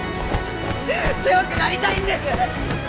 強くなりたいんです！